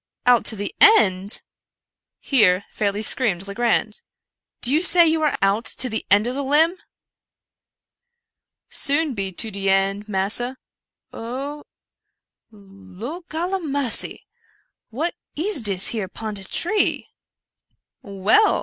"Out to the end!" here fairly screamed Legrand; "do you say you are out to the end of that limb ?"" Soon be to de eend, massa — o o o o oh ! Lor gol a marcy ! what is dis here pon de tree ?"" Well!